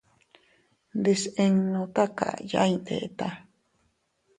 Ndisinnu takaya iyndeta.